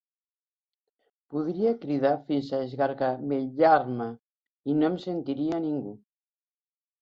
Podria cridar fins a esgargamellar-me i no em sentiria ningú.